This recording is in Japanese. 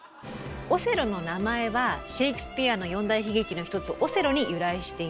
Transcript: オセロの名前はシェークスピアの四大悲劇のひとつ「オセロ」に由来しています。